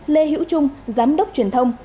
lê hữu trung giám đốc truyền thông